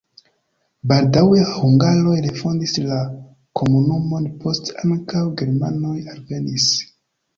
Baldaŭe hungaroj refondis la komunumon, poste ankaŭ germanoj alvenis.